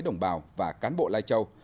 đồng bào và cán bộ lai châu